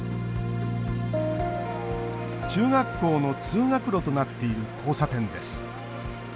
中学校の通学路となっている交差点です。